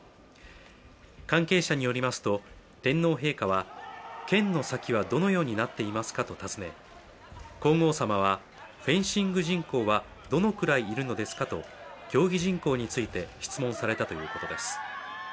関係者によりますと天皇陛下は剣の先はどのようになっていますかと尋ね、皇后さまは、フェンシング人口はどのくらいいるのですかと競技人口について質問されたということです。